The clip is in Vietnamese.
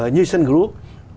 như sun group